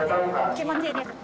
気持ちいいです。